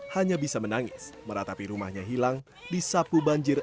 hanya bisa menangis meratapi rumahnya hilang di sapu banjir